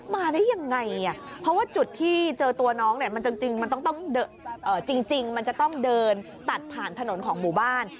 มาได้ยังไงเพราะว่าจุดที่เจอตัวน้องจริงมันจะต้องเดินตัดผ่านถนนของหมู่บ้าน